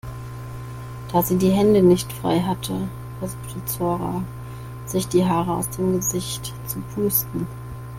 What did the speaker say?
Da sie die Hände nicht frei hatte, versuchte Zora sich die Haare aus dem Gesicht zu pusten.